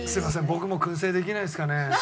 僕も燻製できないですかね？